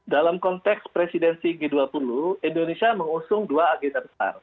dalam konteks presidensi g dua puluh indonesia mengusung dua agenda besar